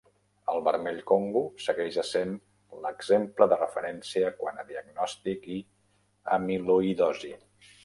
El vermell Congo segueix essent l'exemple de referència quant a diagnòstic i amiloïdosi.